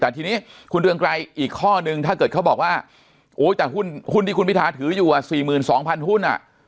แต่ทีนี้คุณเรืองไกรอีกข้อนึงถ้าเกิดเขาบอกว่าโอ้จากหุ้นที่คุณพิทาถืออยู่๔๒๐๐หุ้น